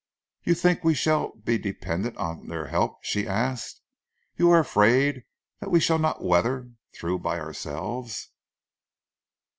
"You think we shall be dependent on their help?" she asked. "You are afraid that we shall not weather through by ourselves?"